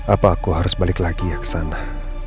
apa aku harus balik lagi ya kesana